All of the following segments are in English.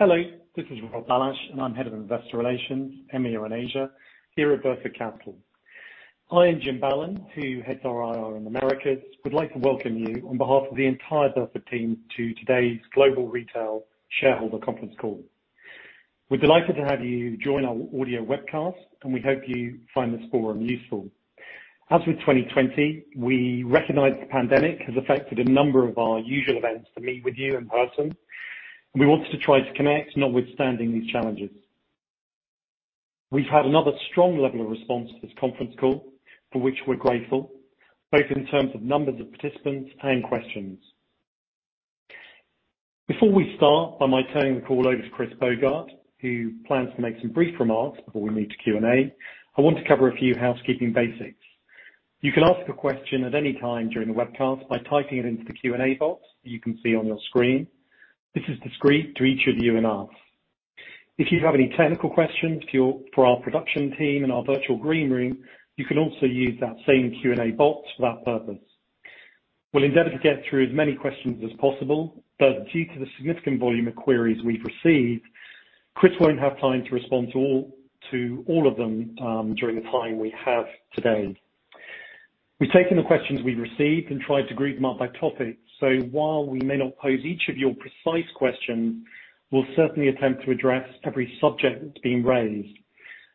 Hello, this is Robert Bailhache, and I'm Head of Investor Relations, EMEA and Asia, here at Burford Capital. I and Jim Ballan, who heads our IR in Americas, would like to welcome you on behalf of the entire Burford team to today's Global Retail Shareholder conference call. We're delighted to have you join our audio webcast, and we hope you find this forum useful. As with 2020, we recognize the pandemic has affected a number of our usual events to meet with you in person, and we wanted to try to connect notwithstanding these challenges. We've had another strong level of response to this conference call, for which we're grateful, both in terms of numbers of participants and questions. Before we start, I might turn the call over to Chris Bogart, who plans to make some brief remarks before we move to Q&A. I want to cover a few housekeeping basics. You can ask a question at any time during the webcast by typing it into the Q&A box you can see on your screen. This is discreet to each of you and us. If you have any technical questions for our production team in our virtual green room, you can also use that same Q&A box for that purpose. We'll endeavor to get through as many questions as possible, but due to the significant volume of queries we've received, Chris won't have time to respond to all of them during the time we have today. We've taken the questions we've received and tried to group them up by topic, so while we may not pose each of your precise questions, we'll certainly attempt to address every subject that's been raised.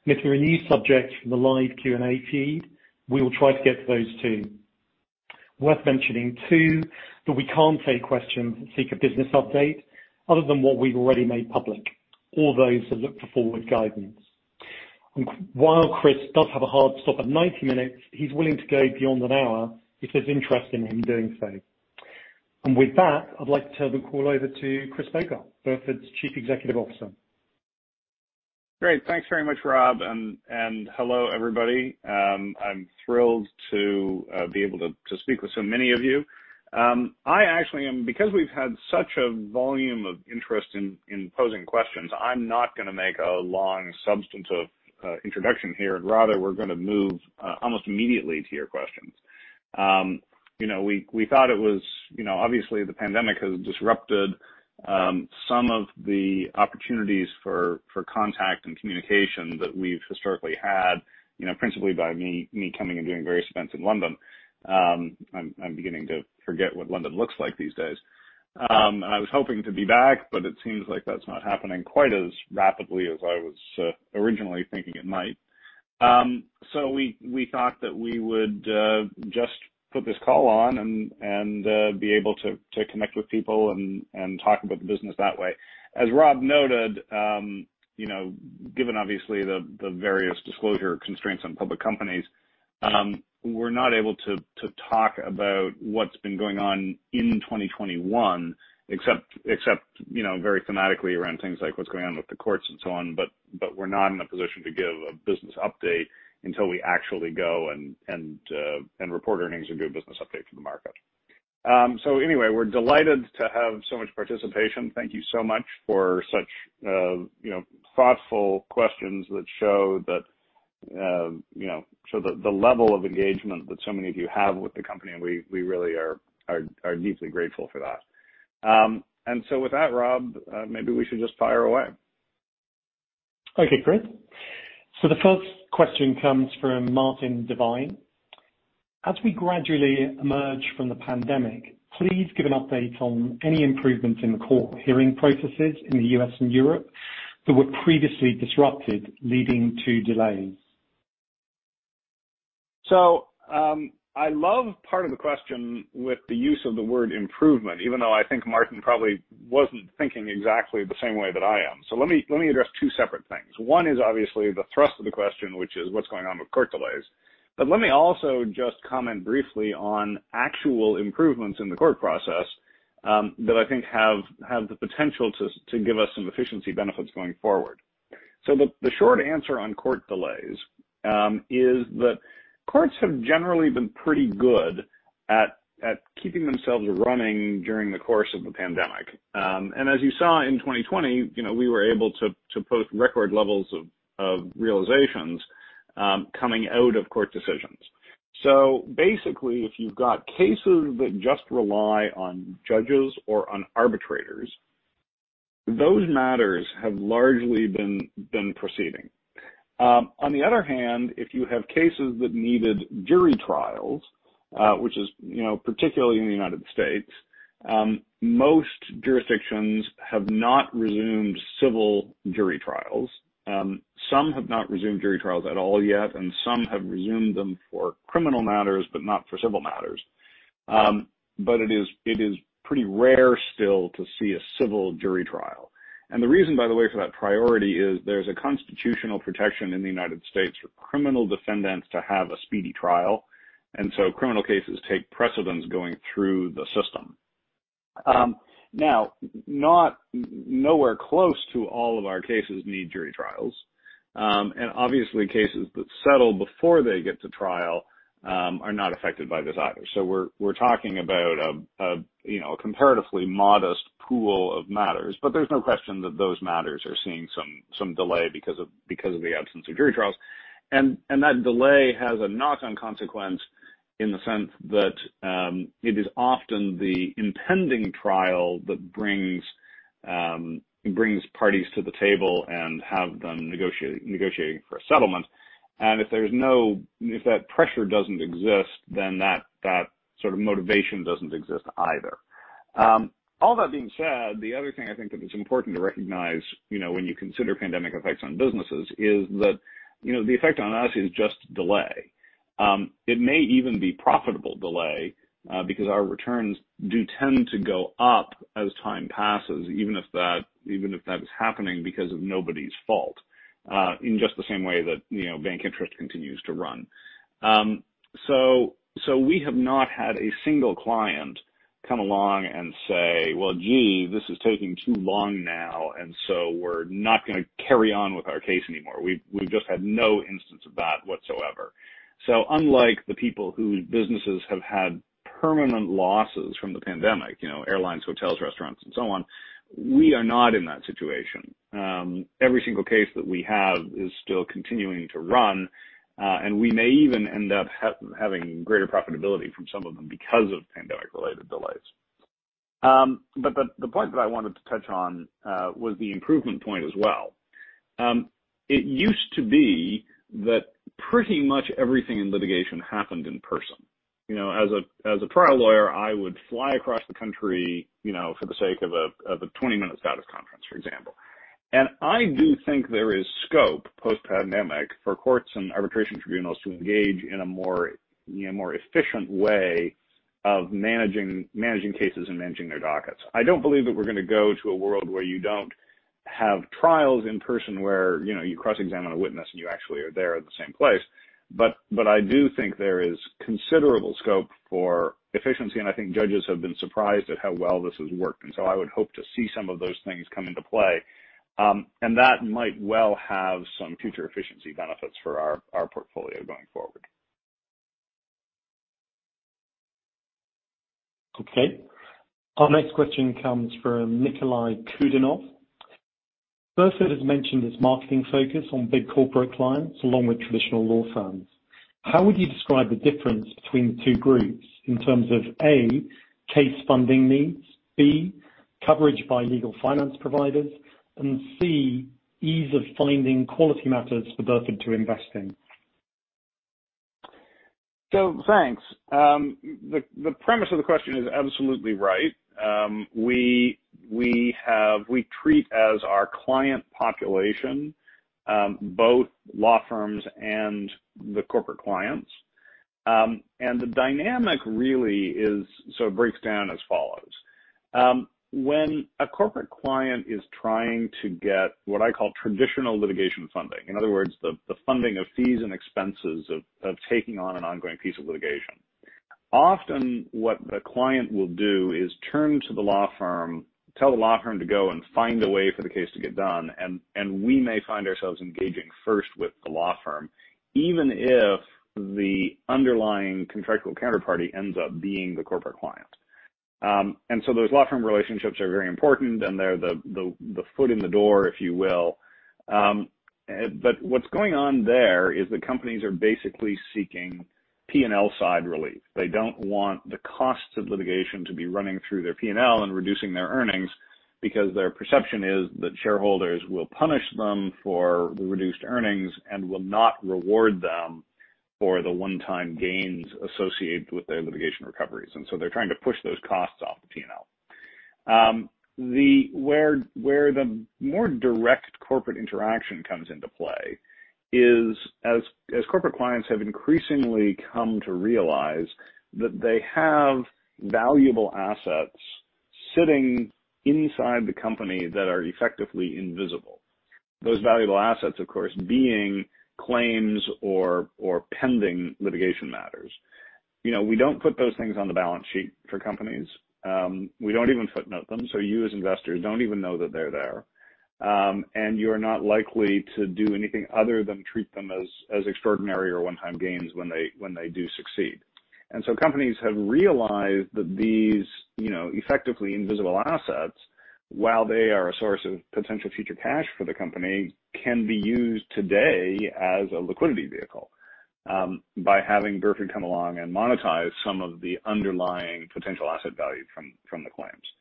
If there are new subjects from the live Q&A feed, we will try to get to those, too. Worth mentioning, too, that we can't take questions that seek a business update other than what we've already made public, or those that look for forward guidance. While Chris does have a hard stop at 90 minutes, he's willing to go beyond an hour if there's interest in him doing so. With that, I'd like to turn the call over to Chris Bogart, Burford's Chief Executive Officer. Great. Thanks very much, Rob, hello, everybody. I'm thrilled to be able to speak with so many of you. We've had such a volume of interest in posing questions, I'm not going to make a long substantive introduction here. Rather, we're going to move almost immediately to your questions. Obviously, the pandemic has disrupted some of the opportunities for contact and communication that we've historically had, principally by me coming and doing various events in London. I'm beginning to forget what London looks like these days. I was hoping to be back, it seems like that's not happening quite as rapidly as I was originally thinking it might. We thought that we would just put this call on and be able to connect with people and talk about the business that way. As Rob noted, given obviously the various disclosure constraints on public companies, we're not able to talk about what's been going on in 2021 except very thematically around things like what's going on with the courts and so on, but we're not in a position to give a business update until we actually go and report earnings and give a business update to the market. We're delighted to have so much participation. Thank you so much for such thoughtful questions that show the level of engagement that so many of you have with the company. We really are deeply grateful for that. With that, Rob, maybe we should just fire away. Okay, Chris. The first question comes from Martin Devine: As we gradually emerge from the pandemic, please give an update on any improvements in the court hearing processes in the U.S. and Europe that were previously disrupted, leading to delays. I love part of the question with the use of the word "improvement," even though I think Martin probably wasn't thinking exactly the same way that I am. Let me address two separate things. One is obviously the thrust of the question, which is what's going on with court delays, but let me also just comment briefly on actual improvements in the court process that I think have the potential to give us some efficiency benefits going forward. The short answer on court delays is that courts have generally been pretty good at keeping themselves running during the course of the pandemic. As you saw in 2020, we were able to post record levels of realizations coming out of court decisions. Basically, if you've got cases that just rely on judges or on arbitrators, those matters have largely been proceeding. On the other hand, if you have cases that needed jury trials, which is particularly in the United States, most jurisdictions have not resumed civil jury trials. Some have not resumed jury trials at all yet, and some have resumed them for criminal matters, but not for civil matters. It is pretty rare still to see a civil jury trial. The reason, by the way, for that priority is there's a constitutional protection in the United States for criminal defendants to have a speedy trial, and so criminal cases take precedence going through the system. Now, nowhere close to all of our cases need jury trials. Obviously, cases that settle before they get to trial are not affected by this either. We're talking about a comparatively modest pool of matters, but there's no question that those matters are seeing some delay because of the absence of jury trials. That delay has a knock-on consequence. In the sense that it is often the impending trial that brings parties to the table and have them negotiating for settlement. If that pressure doesn't exist, then that sort of motivation doesn't exist either. All that being said, the other thing I think that is important to recognize when you consider pandemic effects on businesses is that the effect on us is just delay. It may even be profitable delay because our returns do tend to go up as time passes, even if that is happening because of nobody's fault, in just the same way that bank interest continues to run. We have not had a single client come along and say, "Well, gee, this is taking too long now, and so we're not going to carry on with our case anymore." We've just had no instance of that whatsoever. Unlike the people whose businesses have had permanent losses from the pandemic, airlines, hotels, restaurants and so on, we are not in that situation. Every single case that we have is still continuing to run, and we may even end up having greater profitability from some of them because of pandemic-related delays. The point that I wanted to touch on was the improvement point as well. It used to be that pretty much everything in litigation happened in person. As a trial lawyer, I would fly across the country for the sake of a 20-minute status conference, for example. I do think there is scope post-pandemic for courts and arbitration tribunals to engage in a more efficient way of managing cases and managing their dockets. I don't believe that we're going to go to a world where you don't have trials in person where you cross-examine a witness and you actually are there at the same place. I do think there is considerable scope for efficiency, and I think judges have been surprised at how well this has worked. I would hope to see some of those things come into play. That might well have some future efficiency benefits for our portfolio going forward. Okay. Our next question comes from Nikolay Kudinov. Burford has mentioned its marketing focus on big corporate clients along with traditional law firms. How would you describe the difference between the two groups in terms of, A, case funding needs, B, coverage by legal finance providers, and C, ease of finding quality matters for Burford to invest in? Thanks. The premise of the question is absolutely right. We treat as our client population both law firms and the corporate clients. The dynamic really sort of breaks down as follows. When a corporate client is trying to get what I call traditional litigation funding, in other words, the funding of fees and expenses of taking on an ongoing piece of litigation, often what the client will do is turn to the law firm, tell the law firm to go and find a way for the case to get done, we may find ourselves engaging first with the law firm, even if the underlying contractual counterparty ends up being the corporate client. Those law firm relationships are very important, and they're the foot in the door, if you will. What's going on there is that companies are basically seeking P&L side relief. They don't want the cost of litigation to be running through their P&L and reducing their earnings because their perception is that shareholders will punish them for the reduced earnings and will not reward them for the one-time gains associated with their litigation recoveries. They're trying to push those costs off the P&L. Where the more direct corporate interaction comes into play is as corporate clients have increasingly come to realize that they have valuable assets sitting inside the company that are effectively invisible. Those valuable assets, of course, being claims or pending litigation matters. We don't put those things on the balance sheet for companies. We don't even footnote them, so you as investors don't even know that they're there. You're not likely to do anything other than treat them as extraordinary or one-time gains when they do succeed. Companies have realized that these effectively invisible assets, while they are a source of potential future cash for the company, can be used today as a liquidity vehicle by having Burford come along and monetize some of the underlying potential asset value from the claims.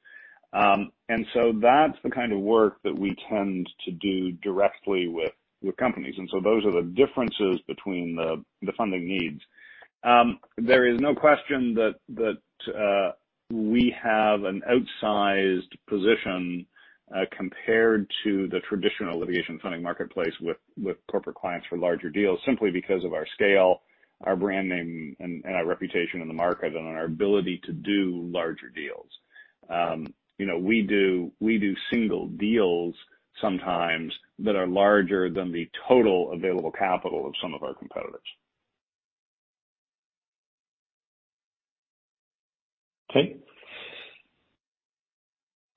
That's the kind of work that we tend to do directly with companies. Those are the differences between the funding needs. There is no question that we have an outsized position compared to the traditional litigation funding marketplace with corporate clients for larger deals simply because of our scale, our branding, and our reputation in the market, and our ability to do larger deals. We do single deals sometimes that are larger than the total available capital of some of our competitors. Okay.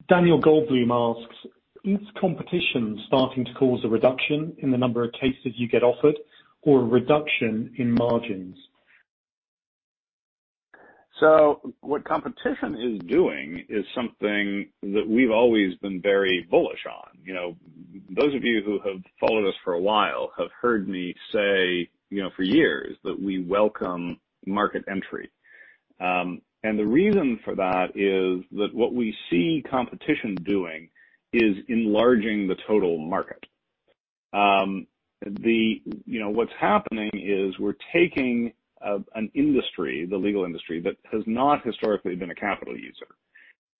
Daniel Goldblum asks: Is competition starting to cause a reduction in the number of cases you get offered or a reduction in margins? What competition is doing is something that we've always been very bullish on. Those of you who have followed us for a while have heard me say for years that we welcome market entry. The reason for that is that what we see competition doing is enlarging the total market. What's happening is we're taking an industry, the legal industry, that has not historically been a capital user,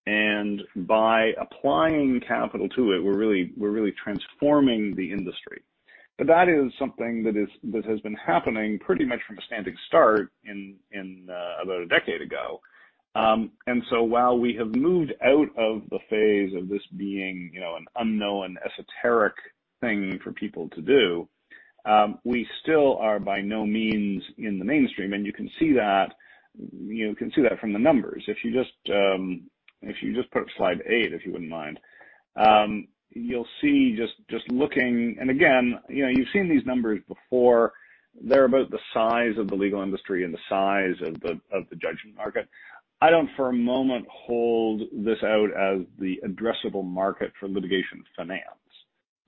and by applying capital to it, we're really transforming the industry. That is something that has been happening pretty much from a standing start about a decade ago. While we have moved out of the phase of this being an unknown, esoteric thing for people to do, we still are by no means in the mainstream. You can see that from the numbers. If you just put up slide eight, if you wouldn't mind. You'll see just looking, and again, you've seen these numbers before. They're about the size of the legal industry and the size of the judgment market. I don't for a moment hold this out as the addressable market for litigation finance.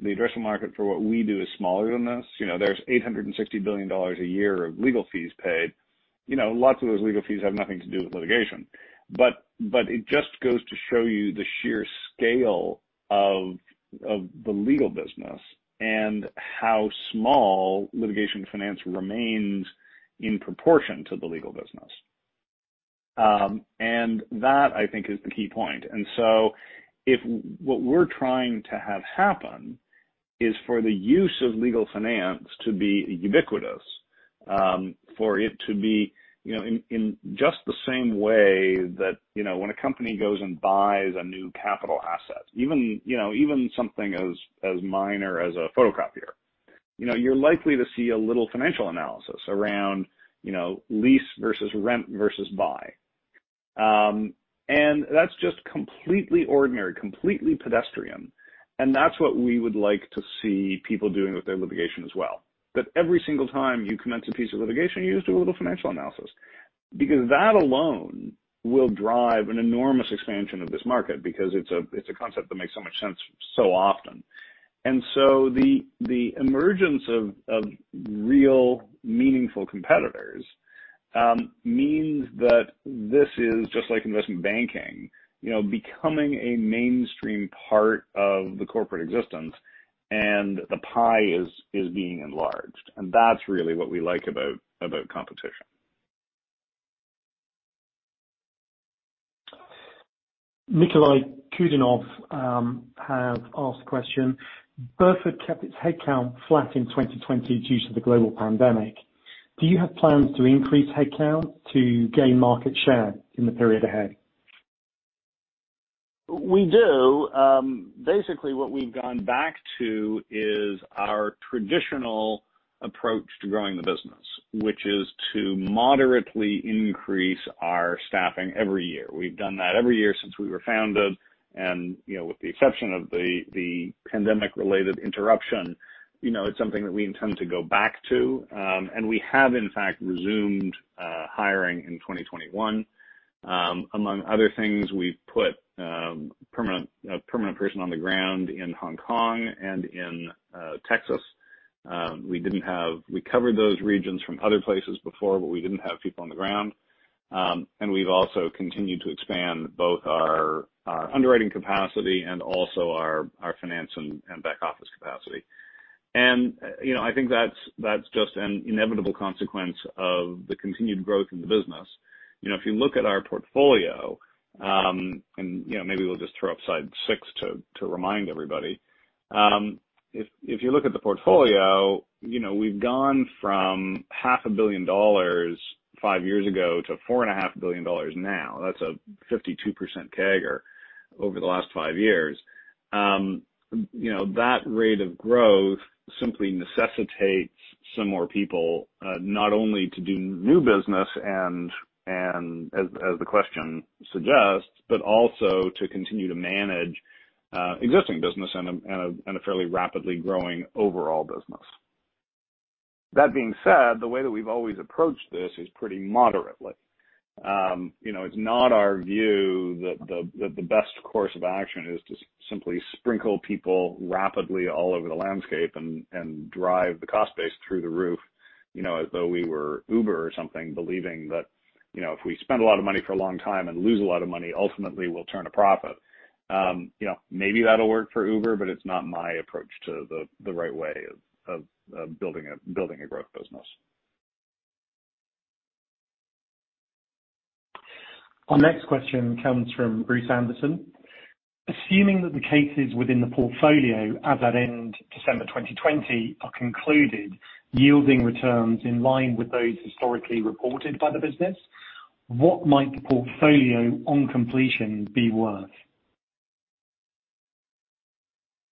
The addressable market for what we do is smaller than this. There's $860 billion a year of legal fees paid. Lots of those legal fees have nothing to do with litigation. It just goes to show you the sheer scale of the legal business and how small litigation finance remains in proportion to the legal business. That, I think, is the key point. If what we're trying to have happen is for the use of legal finance to be ubiquitous, for it to be in just the same way that when a company goes and buys a new capital asset, even something as minor as a photocopier. You're likely to see a little financial analysis around lease versus rent versus buy. That's just completely ordinary, completely pedestrian, and that's what we would like to see people doing with their litigation as well, that every single time you commence a piece of litigation, you just do a little financial analysis. That alone will drive an enormous expansion of this market because it's a concept that makes so much sense so often. The emergence of real, meaningful competitors means that this is just like investment banking, becoming a mainstream part of the corporate existence, and the pie is being enlarged. That's really what we like about competition. Nikolay Kudinov has asked a question. Burford kept its head count flat in 2020 due to the global pandemic. Do you have plans to increase head count to gain market share in the period ahead? We do. Basically, what we've gone back to is our traditional approach to growing the business, which is to moderately increase our staffing every year. We've done that every year since we were founded, with the exception of the pandemic-related interruption, it's something that we intend to go back to. We have, in fact, resumed hiring in 2021. Among other things, we've put a permanent person on the ground in Hong Kong and in Texas. We covered those regions from other places before, but we didn't have people on the ground. We've also continued to expand both our underwriting capacity and also our finance and back office capacity. I think that's just an inevitable consequence of the continued growth in the business. If you look at our portfolio, maybe we'll just throw up slide 6 to remind everybody. If you look at the portfolio, we've gone from half a billion dollars five years ago to $4.5 billion now. That's a 52% CAGR over the last five years. That rate of growth simply necessitates some more people, not only to do new business and as the question suggests, but also to continue to manage existing business and a fairly rapidly growing overall business. That being said, the way that we've always approached this is pretty moderately. It's not our view that the best course of action is to simply sprinkle people rapidly all over the landscape and drive the cost base through the roof, as though we were Uber or something, believing that if we spend a lot of money for a long time and lose a lot of money, ultimately we'll turn a profit. Maybe that'll work for Uber, but it's not my approach to the right way of building a growth business. Our next question comes from Bruce Anderson. Assuming that the cases within the portfolio at that end December 2020 are concluded, yielding returns in line with those historically reported by the business, what might the portfolio on completion be worth?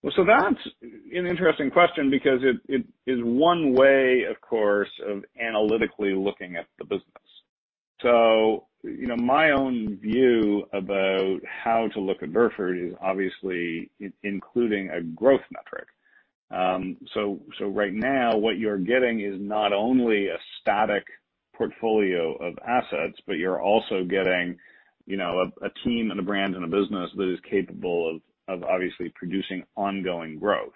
Well, that's an interesting question because it is one way, of course, of analytically looking at the business. My own view about how to look at Burford is obviously including a growth metric. Right now, what you're getting is not only a static portfolio of assets, but you're also getting a team and a brand and a business that is capable of obviously producing ongoing growth.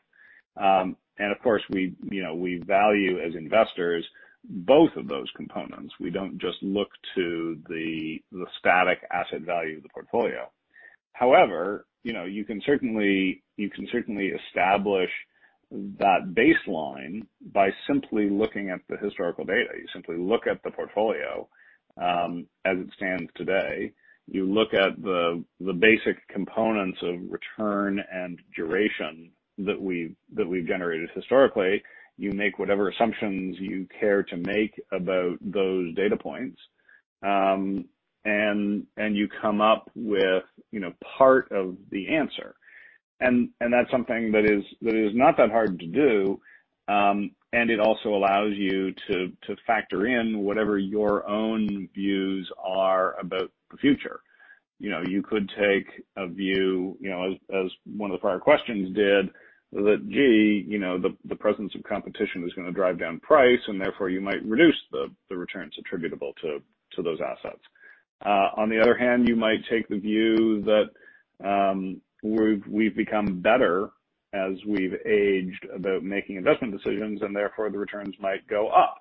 Of course, we value as investors, both of those components. We don't just look to the static asset value of the portfolio. However, you can certainly establish that baseline by simply looking at the historical data. You simply look at the portfolio, as it stands today. You look at the basic components of return and duration that we've generated historically. You make whatever assumptions you care to make about those data points, and you come up with part of the answer. That's something that is not that hard to do, and it also allows you to factor in whatever your own views are about the future. You could take a view, as one of the prior questions did, that, gee, the presence of competition is going to drive down price, and therefore you might reduce the returns attributable to those assets. On the other hand, you might take the view that we've become better as we've aged about making investment decisions, and therefore the returns might go up.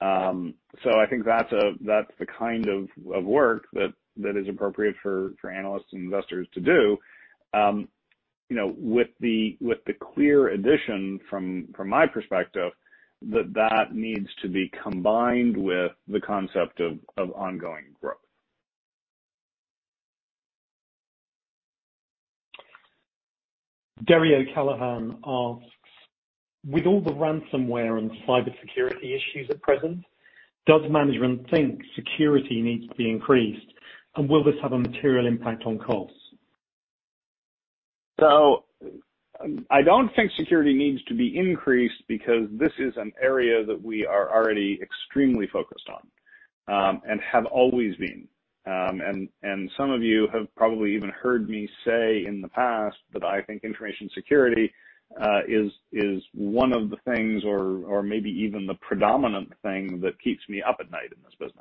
I think that's the kind of work that is appropriate for analysts and investors to do. With the clear addition from my perspective, that that needs to be combined with the concept of ongoing growth. Derry O'Callaghan asks, "With all the ransomware and cybersecurity issues at present, does management think security needs to be increased, and will this have a material impact on costs? I don't think security needs to be increased because this is an area that we are already extremely focused on, and have always been. Some of you have probably even heard me say in the past that I think information security is one of the things or maybe even the predominant thing that keeps me up at night in this business.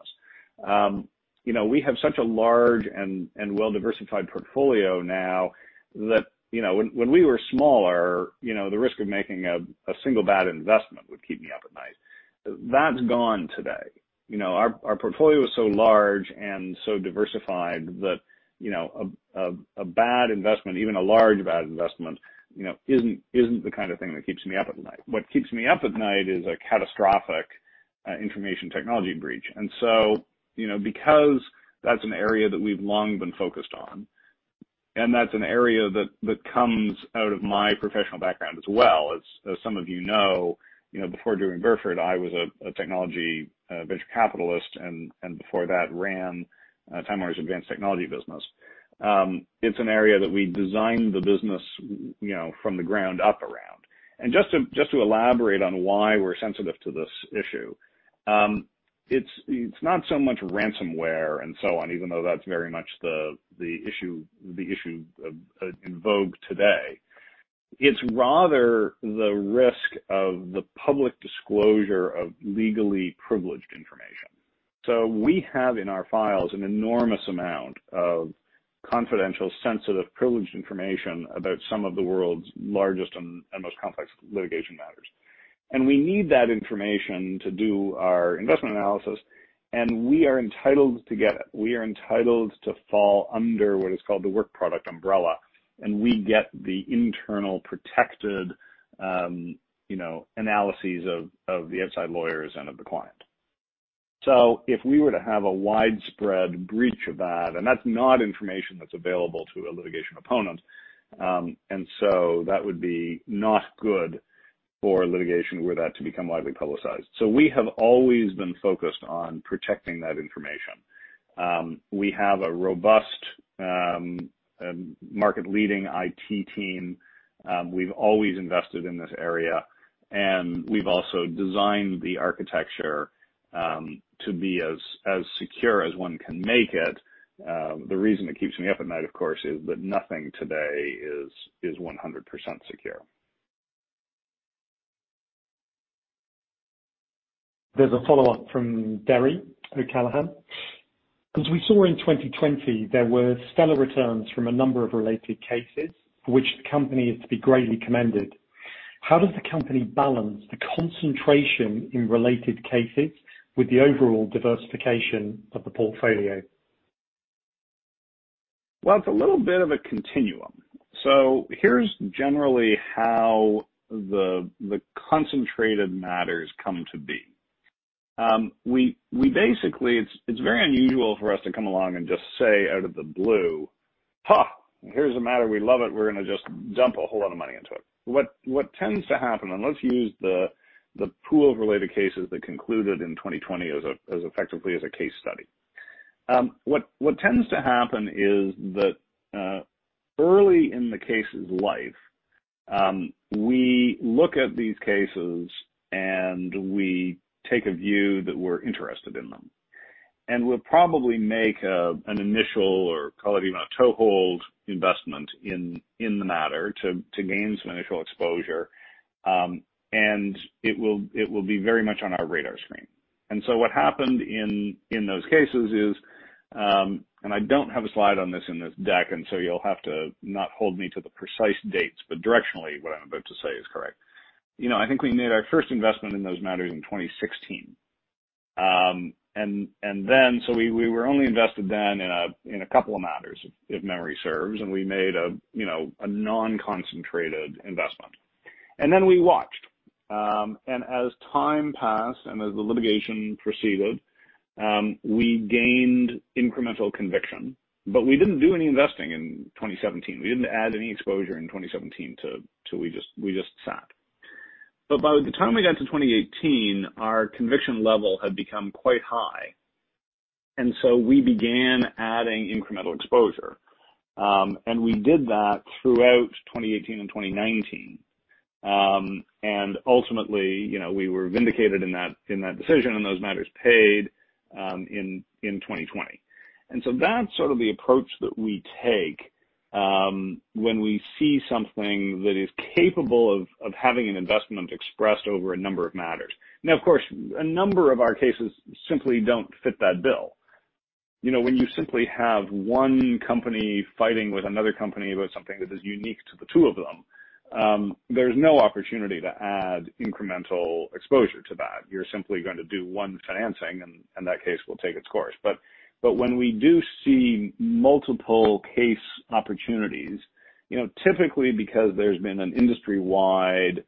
We have such a large and well-diversified portfolio now that when we were smaller, the risk of making a single bad investment would keep me up at night. That's gone today. Our portfolio is so large and so diversified that a bad investment, even a large bad investment, isn't the kind of thing that keeps me up at night. What keeps me up at night is a catastrophic information technology breach. Because that's an area that we've long been focused on, and that's an area that comes out of my professional background as well. As some of you know, before doing Burford, I was a technology venture capitalist and before that ran Time Warner's advanced technology business. It's an area that we designed the business from the ground up around. Just to elaborate on why we're sensitive to this issue. It's not so much ransomware and so on, even though that's very much the issue in vogue today. It's rather the risk of the public disclosure of legally privileged information. We have in our files an enormous amount of confidential, sensitive, privileged information about some of the world's largest and most complex litigation matters. We need that information to do our investment analysis, and we are entitled to get it. We are entitled to fall under what is called the work product umbrella, and we get the internal protected analyses of the outside lawyers and of the client. If we were to have a widespread breach of that, and that's not information that's available to a litigation opponent, that would be not good for litigation were that to become widely publicized. We have always been focused on protecting that information. We have a robust, market-leading IT team. We've always invested in this area, and we've also designed the architecture to be as secure as one can make it. The reason it keeps me up at night, of course, is that nothing today is 100% secure. There's a follow-up from Derry O'Callaghan. As we saw in 2020, there were stellar returns from a number of related cases for which the company is to be greatly commended. How does the company balance the concentration in related cases with the overall diversification of the portfolio? Well, it's a little bit of a continuum. Here's generally how the concentrated matters come to be. It's very unusual for us to come along and just say out of the blue, "Ha. Here's a matter we love it. We're going to just dump a whole lot of money into it." What tends to happen, let's use the pool of related cases that concluded in 2020 effectively as a case study. What tends to happen is that early in the case's life, we look at these cases, we take a view that we're interested in them. We'll probably make an initial or call it a toehold investment in the matter to gain some initial exposure. It will be very much on our radar screen. What happened in those cases is, and I don't have a slide on this in this deck, and so you'll have to not hold me to the precise dates, but directionally what I'm about to say is correct. I think we made our first investment in those matters in 2016. We were only invested then in a couple of matters, if memory serves, and we made a non-concentrated investment. We watched. As time passed and as the litigation proceeded, we gained incremental conviction. We didn't do any investing in 2017. We didn't add any exposure in 2017, so we just sat. By the time we got to 2018, our conviction level had become quite high, and so we began adding incremental exposure. We did that throughout 2018 and 2019. Ultimately, we were vindicated in that decision, and those matters paid in 2020. That's sort of the approach that we take when we see something that is capable of having an investment expressed over a number of matters. Of course, a number of our cases simply don't fit that bill. When you simply have one company fighting with another company about something that is unique to the two of them, there's no opportunity to add incremental exposure to that. You're simply going to do one financing, and that case will take its course. When we do see multiple case opportunities, typically because there's been an industry-wide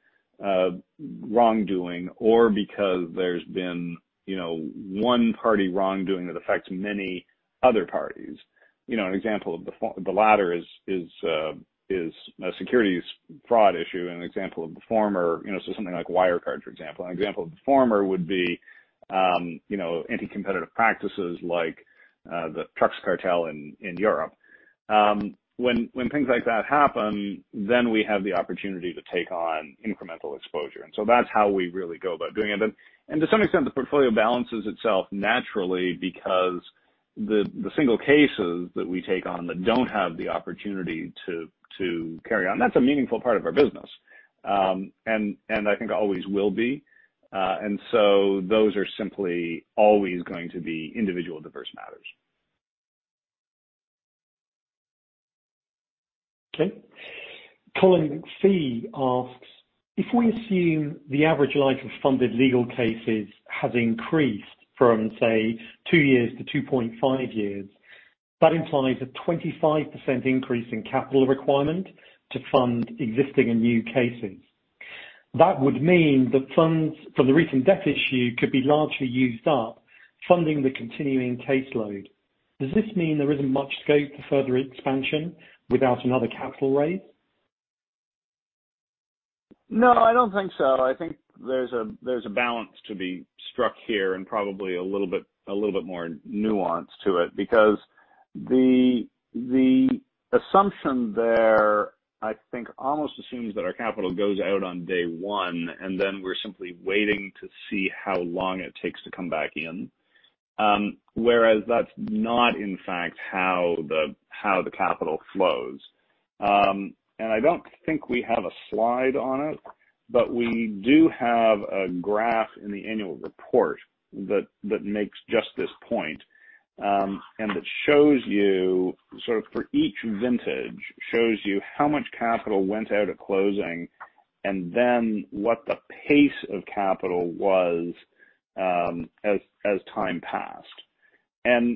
wrongdoing or because there's been one party wrongdoing that affects many other parties. An example of the latter is a securities fraud issue, an example of the former, so something like Wirecard, for example. An example of the former would be anti-competitive practices like the trucks cartel in Europe. When things like that happen, then we have the opportunity to take on incremental exposure. That's how we really go about doing it. To some extent, the portfolio balances itself naturally because the single cases that we take on that don't have the opportunity to carry on. That's a meaningful part of our business. I think always will be. Those are simply always going to be individual diverse matters. Okay. Colin McPhee asks, "If we assume the average life of funded legal cases has increased from, say, two years to 2.5 years, that implies a 25% increase in capital requirement to fund existing and new cases. That would mean the funds for the recent debt issue could be largely used up funding the continuing caseload. Does this mean there isn't much scope for further expansion without another capital raise? No, I don't think so. I think there's a balance to be struck here and probably a little bit more nuance to it, because the assumption there, I think, almost assumes that our capital goes out on day 1, then we're simply waiting to see how long it takes to come back in. Whereas that's not, in fact, how the capital flows. I don't think we have a slide on it, but we do have a graph in the annual report that makes just this point, and it shows you sort of for each vintage, shows you how much capital went out at closing and then what the pace of capital was as time passed.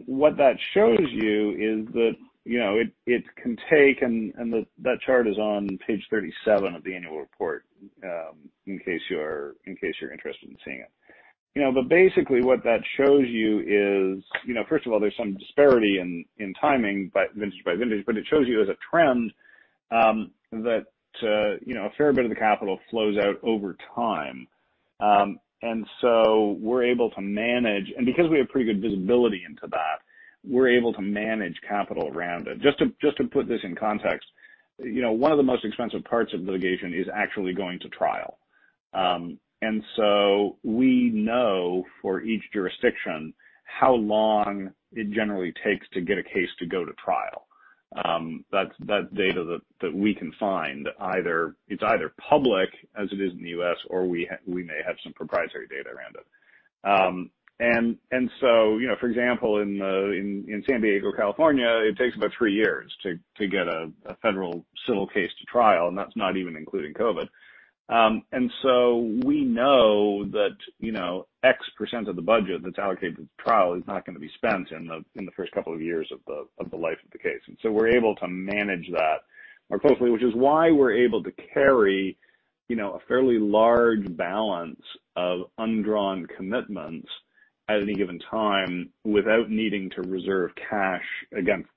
What that shows you is that it can take, and that chart is on page 37 of the annual report, in case you're interested in seeing it. Basically what that shows you is, first of all, there's some disparity in timing by vintage, but it shows you as a trend that a fair bit of the capital flows out over time. We're able to manage. Because we have pretty good visibility into that, we're able to manage capital around it. Just to put this in context, one of the most expensive parts of litigation is actually going to trial. We know for each jurisdiction how long it generally takes to get a case to go to trial. That data that we can find, it's either public as it is in the U.S. or we may have some proprietary data around it. For example, in San Diego, California, it takes about three years to get a federal civil case to trial, and that's not even including COVID. We know that X% of the budget that's allocated to trial is not going to be spent in the first couple of years of the life of the case. We're able to manage that more closely, which is why we're able to carry a fairly large balance of undrawn commitments at any given time without needing to reserve cash against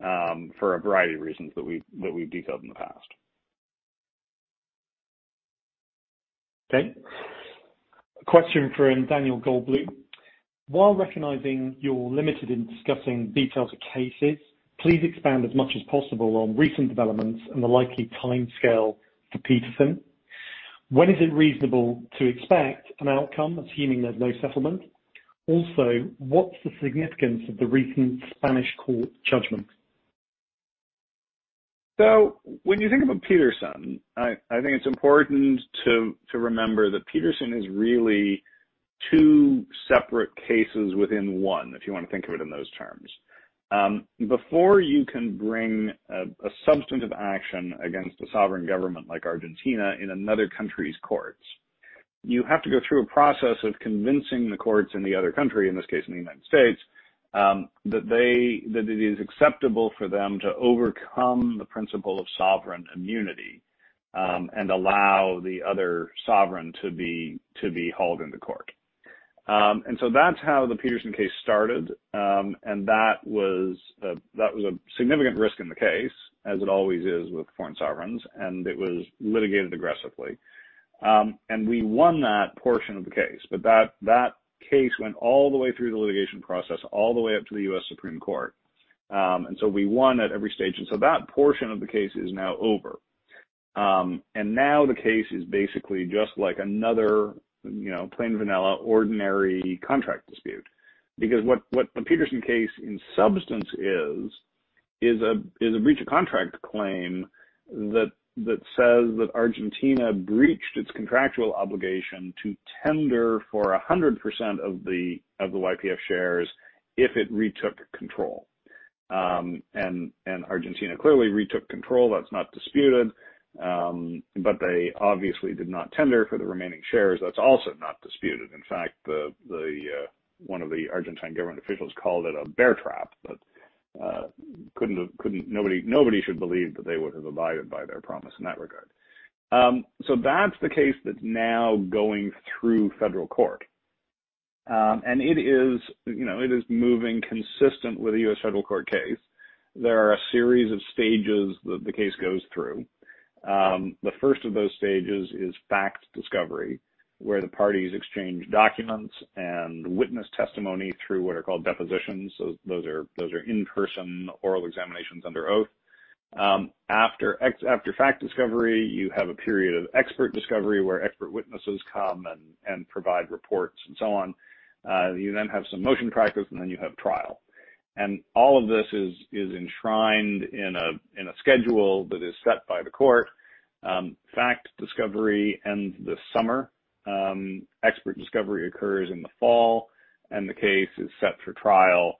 them for a variety of reasons that we've detailed in the past. Okay. A question from Daniel Goldblum. "While recognizing you're limited in discussing details of cases, please expand as much as possible on recent developments and the likely timescale for Petersen. When is it reasonable to expect an outcome assuming there's no settlement? Also, what's the significance of the recent Spanish court judgment? When you think about Petersen, I think it's important to remember that Petersen is really two separate cases within one, if you want to think of it in those terms. Before you can bring a substantive action against a sovereign government like Argentina in another country's courts, you have to go through a process of convincing the courts in the other country, in this case, in the United States, that it is acceptable for them to overcome the principle of sovereign immunity, and allow the other sovereign to be hauled into court. That's how the Petersen case started, and that was a significant risk in the case, as it always is with foreign sovereigns, and it was litigated aggressively. We won that portion of the case, but that case went all the way through the litigation process, all the way up to the U.S. Supreme Court. We won at every stage. That portion of the case is now over. Now the case is basically just like another plain vanilla, ordinary contract dispute. Because what the Petersen case in substance is a breach of contract claim that says that Argentina breached its contractual obligation to tender for 100% of the YPF shares if it retook control. Argentina clearly retook control. That's not disputed, but they obviously did not tender for the remaining shares. That's also not disputed. In fact, one of the Argentine government officials called it a bear trap, but nobody should believe that they would have abided by their promise in that regard. That's the case that's now going through federal court. It is moving consistent with a U.S. federal court case. There are a series of stages that the case goes through. The first of those stages is fact discovery, where the parties exchange documents and witness testimony through what are called depositions. Those are in-person oral examinations under oath. After fact discovery, you have a period of expert discovery where expert witnesses come and provide reports and so on. You then have some motion practice, and then you have trial. All of this is enshrined in a schedule that is set by the court. Fact discovery ends this summer. Expert discovery occurs in the fall, and the case is set for trial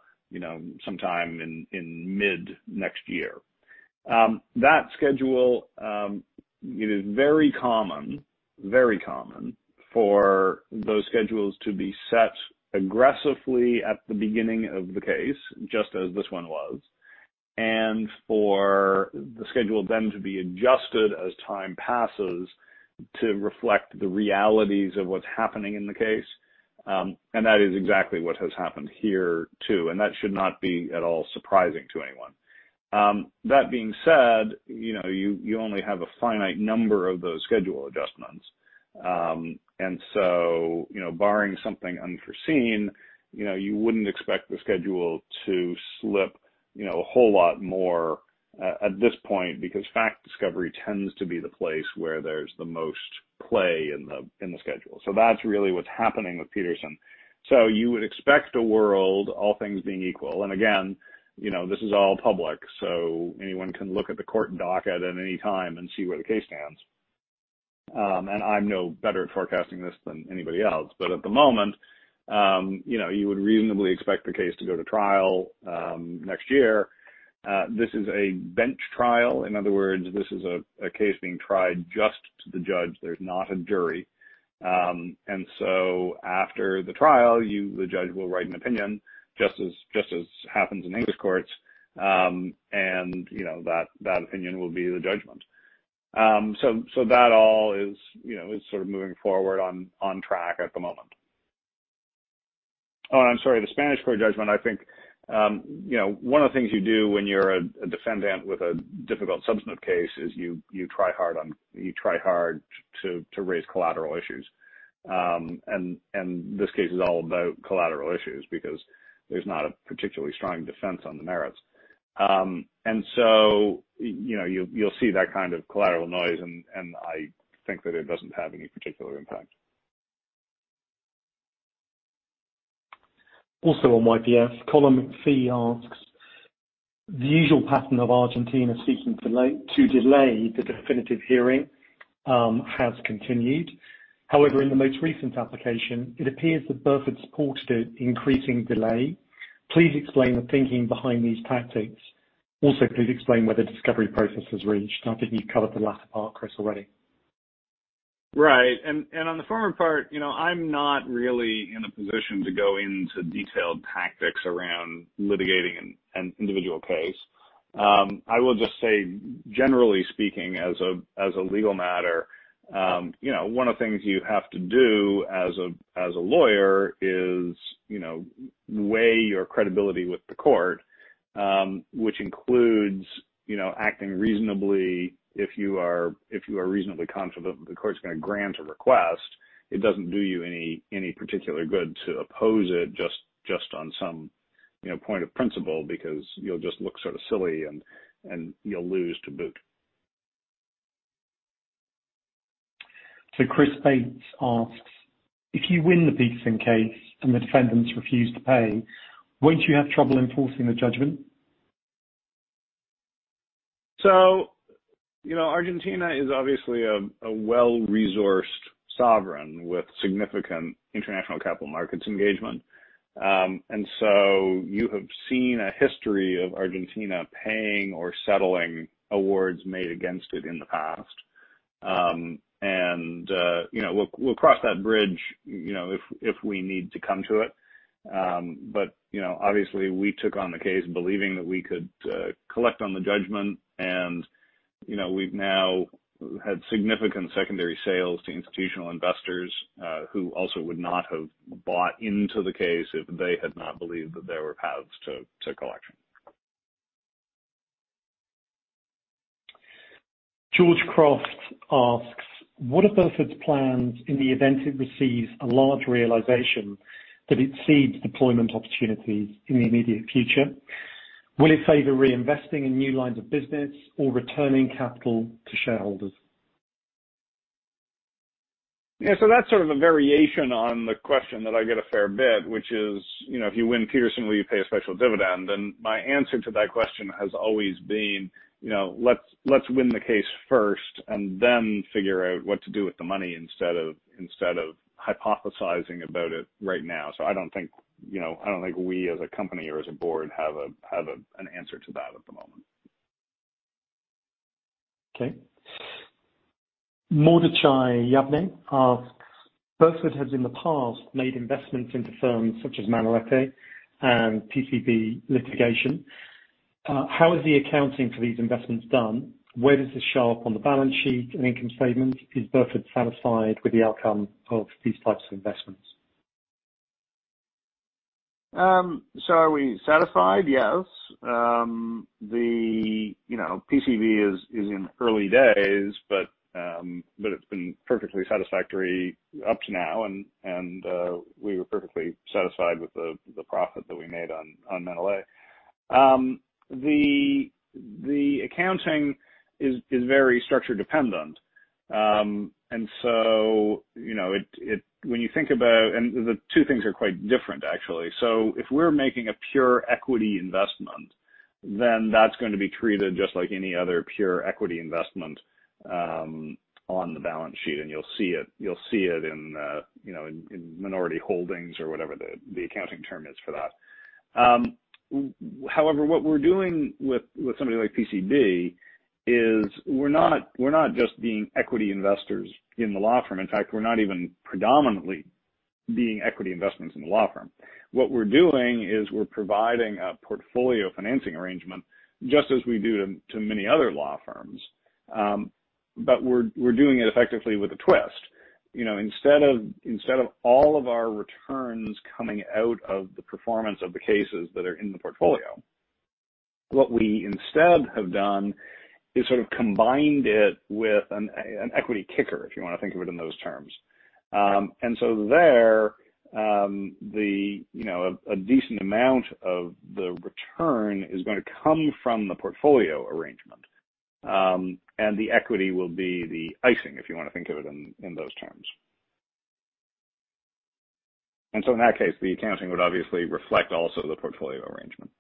sometime in mid next year. That schedule, it is very common for those schedules to be set aggressively at the beginning of the case, just as this one was, and for the schedule then to be adjusted as time passes to reflect the realities of what's happening in the case. That is exactly what has happened here, too, and that should not be at all surprising to anyone. That being said, you only have a finite number of those schedule adjustments. Barring something unforeseen, you wouldn't expect the schedule to slip a whole lot more at this point because fact discovery tends to be the place where there's the most play in the schedule. That's really what's happening with Petersen. You would expect a world, all things being equal, and again, this is all public, so anyone can look at the court docket at any time and see where the case stands. I'm no better at forecasting this than anybody else. At the moment, you would reasonably expect the case to go to trial next year. This is a bench trial. This is a case being tried just to the judge. There's not a jury. After the trial, the judge will write an opinion, just as happens in English courts. That opinion will be the judgment. That all is sort of moving forward on track at the moment. I'm sorry, the Spanish court judgment, I think, one of the things you do when you're a defendant with a difficult substantive case is you try hard to raise collateral issues. This case is all about collateral issues because there's not a particularly strong defense on the merits. You'll see that kind of collateral noise, and I think that it doesn't have any particular impact. On YPF, Colin McPhee asks, "The usual pattern of Argentina seeking to delay the definitive hearing has continued. However, in the most recent application, it appears that Burford supported increasing delay. Please explain the thinking behind these tactics. Also, please explain where the discovery process has reached." I think you covered the latter part, Chris, already. Right. On the former part, I'm not really in a position to go into detailed tactics around litigating an individual case. I will just say, generally speaking, as a legal matter, one of the things you have to do as a lawyer is weigh your credibility with the court, which includes acting reasonably if you are reasonably confident that the court's going to grant a request. It doesn't do you any particular good to oppose it just on some point of principle because you'll just look sort of silly and you'll lose to boot. Chris Bates asks, "If you win the Petersen case and the defendants refuse to pay, won't you have trouble enforcing the judgment? Argentina is obviously a well-resourced sovereign with significant international capital markets engagement. You have seen a history of Argentina paying or settling awards made against it in the past. We'll cross that bridge if we need to come to it. Obviously we took on the case believing that we could collect on the judgment and we've now had significant secondary sales to institutional investors, who also would not have bought into the case if they had not believed that there were paths to collection. George Croft asks, "What are Burford's plans in the event it receives a large realization that it sees deployment opportunities in the immediate future? Will it favor reinvesting in new lines of business or returning capital to shareholders? Yeah. That's sort of a variation on the question that I get a fair bit, which is, if you win Petersen, you pay a special dividend. My answer to that question has always been, let's win the case first and then figure out what to do with the money instead of hypothesizing about it right now. I don't think we as a company or as a board have an answer to that at the moment. Okay. Mordechai Yavneh asks, "Burford has in the past made investments into firms such as Manolete and PCB Litigation. How is the accounting for these investments done? Where does this show up on the balance sheet and income statement? Is Burford satisfied with the outcome of these types of investments? Are we satisfied? Yes. PCB is in early days, but it's been perfectly satisfactory up to now and we were perfectly satisfied with the profit that we made on Manolete. The accounting is very structure dependent. The two things are quite different actually. If we're making a pure equity investment, then that's going to be treated just like any other pure equity investment on the balance sheet. You'll see it in minority holdings or whatever the accounting term is for that. However, what we're doing with something like PCB is we're not just being equity investors in the law firm. In fact, we're not even predominantly being equity investors in the law firm. What we're doing is we're providing a portfolio financing arrangement, just as we do to many other law firms. We're doing it effectively with a twist. Instead of all of our returns coming out of the performance of the cases that are in the portfolio, what we instead have done is sort of combined it with an equity kicker, if you want to think of it in those terms. There, a decent amount of the return is going to come from the portfolio arrangement. The equity will be the icing, if you want to think of it in those terms. In that case, the accounting would obviously reflect also the portfolio arrangement.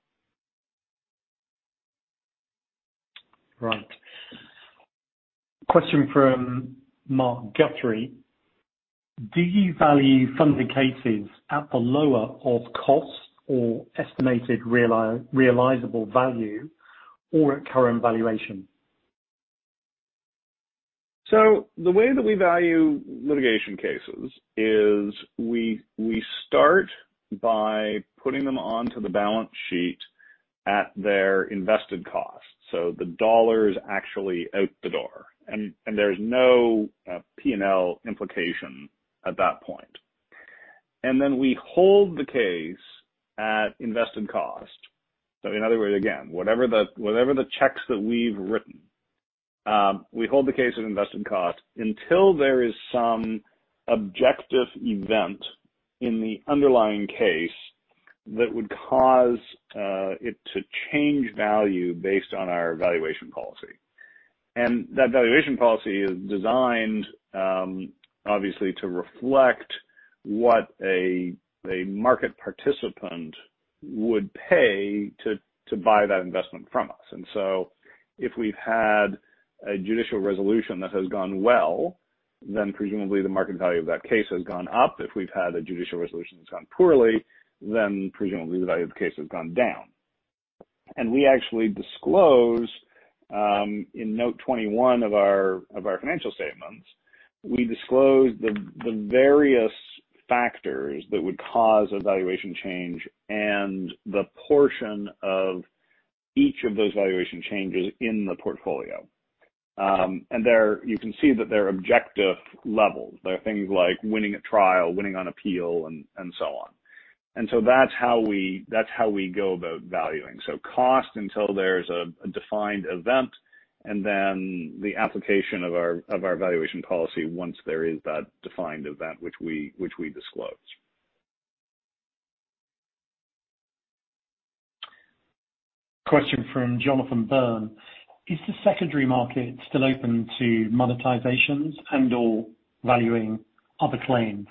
Right. Question from Mark Guthrie, "Do you value funded cases at the lower of cost or estimated realizable value or at current valuation? The way that we value litigation cases is we start by putting them onto the balance sheet at their invested cost. The dollars actually out the door, and there's no P&L implication at that point. Then we hold the case at invested cost. In other words, again, whatever the checks that we've written, we hold the case at invested cost until there is some objective event in the underlying case that would cause it to change value based on our valuation policy. That valuation policy is designed, obviously to reflect what a market participant would pay to buy that investment from us. If we've had a judicial resolution that has gone well, then presumably the market value of that case has gone up. If we've had a judicial resolution that's gone poorly, then presumably the value of the case has gone down. We actually disclose in Note 21 of our financial statements, we disclose the various factors that would cause a valuation change and the portion of each of those valuation changes in the portfolio. There you can see that they're objective levels. They're things like winning at trial, winning on appeal, and so on. That's how we go about valuing. Cost until there's a defined event and then the application of our valuation policy once there is that defined event which we disclose. Question from Jonathan Byrne. Is the secondary market still open to monetizations and/or valuing other claims?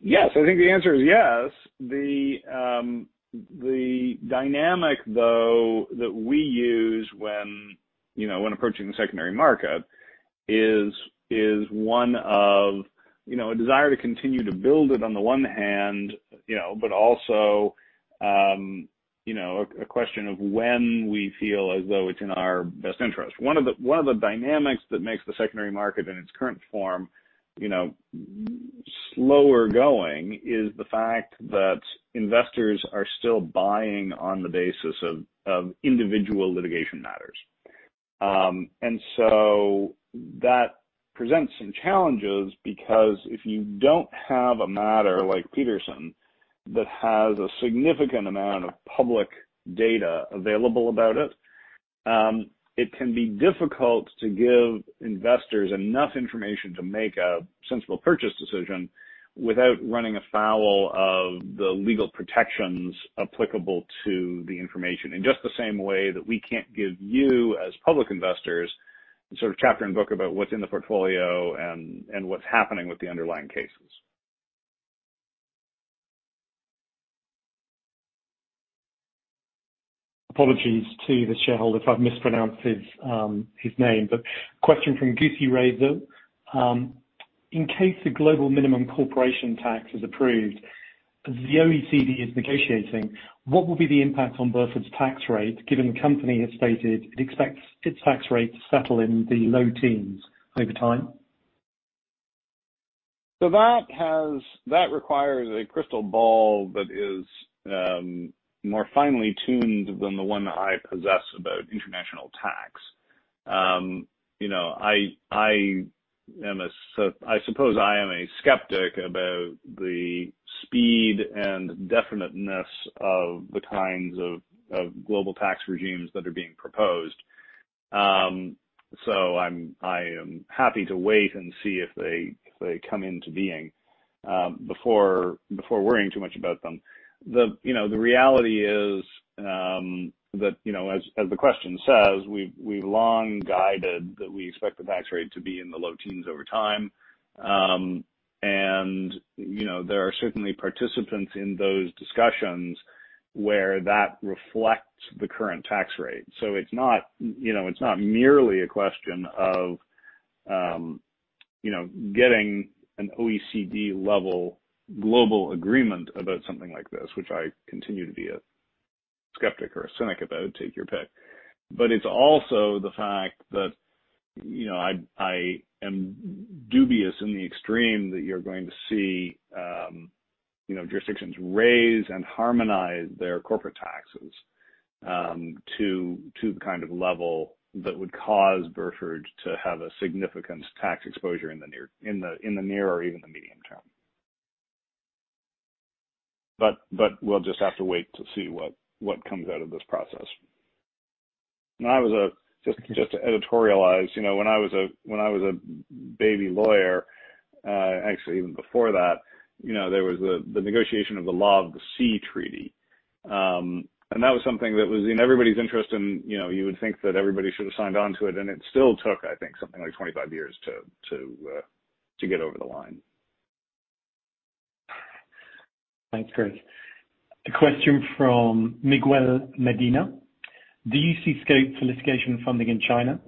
Yes. I think the answer is yes. The dynamic, though, that we use when approaching the secondary market is one of a desire to continue to build it on the one hand, but also a question of when we feel as though it's in our best interest. That presents some challenges because if you don't have a matter like Petersen that has a significant amount of public data available about it can be difficult to give investors enough information to make a sensible purchase decision without running afoul of the legal protections applicable to the information. In just the same way that we can't give you, as public investors, a chapter and book about what's in the portfolio and what's happening with the underlying cases. Apologies to the shareholder if I've mispronounced his name. Question from Guki Reza. In case the global minimum corporation tax is approved, as the OECD is negotiating, what will be the impact on Burford's tax rate given the company has stated it expects its tax rate to settle in the low teens over time? That requires a crystal ball that is more finely tuned than the one that I possess about international tax. I suppose I am a skeptic about the speed and definiteness of the kinds of global tax regimes that are being proposed. I am happy to wait and see if they come into being before worrying too much about them. The reality is that, as the question says, we long guided that we expect the tax rate to be in the low teens over time. There are certainly participants in those discussions where that reflects the current tax rate. It's not merely a question of getting an OECD-level global agreement about something like this, which I continue to be a skeptic or a cynic about, take your pick. It's also the fact that I am dubious in the extreme that you're going to see jurisdictions raise and harmonize their corporate taxes to the kind of level that would cause Burford to have a significant tax exposure in the near or even the medium term. We'll just have to wait to see what comes out of this process. Just to editorialize, when I was a baby lawyer, actually even before that, there was the negotiation of the Law of the Sea Treaty. That was something that was in everybody's interest, and you would think that everybody should have signed onto it, and it still took, I think, something like 25 years to get over the line. Thanks, Chris. A question from Miguel Medina. Do you see scope for litigation funding in China?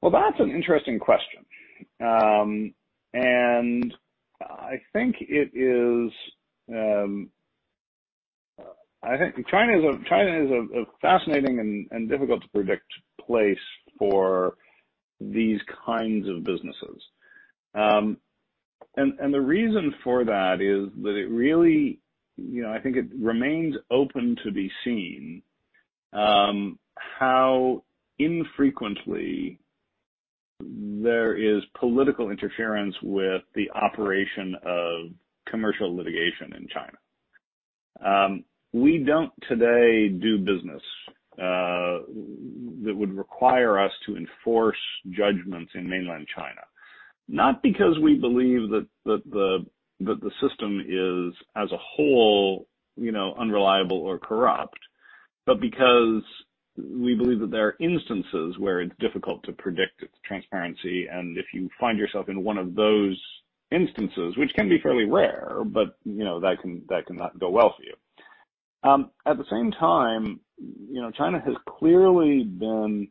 Well, that's an interesting question. I think China is a fascinating and difficult-to-predict place for these kinds of businesses. And the reason for that is that it really remains open to be seen how infrequently there is political interference with the operation of commercial litigation in China. We don't today do business that would require us to enforce judgments in mainland China, not because we believe that the system is, as a whole, unreliable or corrupt, but because we believe that there are instances where it's difficult to predict its transparency, and if you find yourself in one of those instances, which can be fairly rare, but that can not go well for you. At the same time, China has clearly been